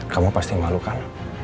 kamu pasti malu kan